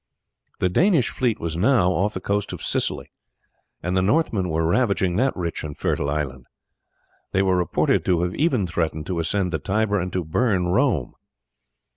The Danish fleet was now off the coast of Sicily, and the Northmen were ravaging that rich and fertile island. They were reported to have even threatened to ascend the Tiber and to burn Rome.